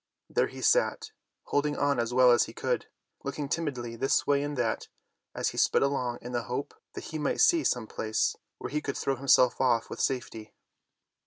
There he sat holding on as well as he could, looking timidly this way and that as he sped along in the hope that he might see some place where he could throw himself off with safety.